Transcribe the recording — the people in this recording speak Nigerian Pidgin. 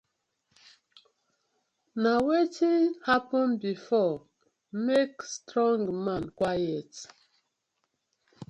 Na wetin happen before, make strong man quiet: